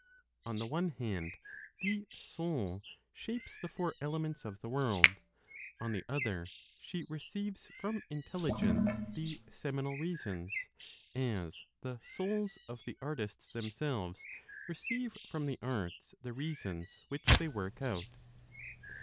On the one hand, the Soul shapes the four elements of the world; on the other, she receives from Intelligence the (seminal) reasons, as the souls of the artists themselves receive from the arts the reasons which they work out.